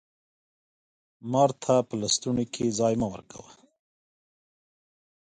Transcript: لومړی: مار ته په لستوڼي کی ځای مه ورکوه